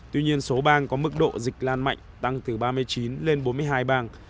tuy nhiên số bang có mức độ dịch lan mạnh tăng từ ba mươi chín lên bốn mươi hai bang